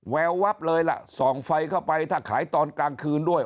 แววับเลยล่ะส่องไฟเข้าไปถ้าขายตอนกลางคืนด้วย